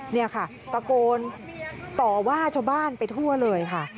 นี่ค่ะตะโกนต่อว่าชาวบ้านไปทั่วเลยค่ะ